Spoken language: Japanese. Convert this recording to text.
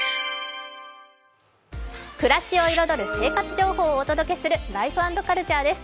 暮らしを彩る生活情報をお届けする「ライフ＆カルチャー」です。